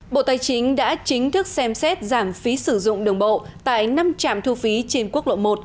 bộ tài chính đã chính thức xem xét giảm phí sử dụng đường bộ tại năm trạm thu phí trên quốc lộ một